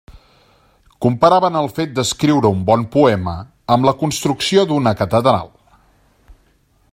Comparaven el fet d'escriure un bon poema amb la construcció d'una catedral.